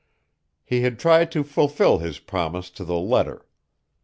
He had tried to fulfil his promise to the letter.